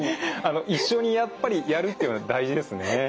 一緒にやっぱりやるっていうのは大事ですね。